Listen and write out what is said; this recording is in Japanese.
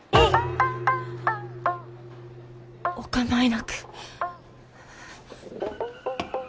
お構いなく。